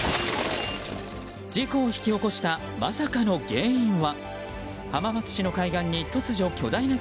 事故を引き起こしたまさかの原因は。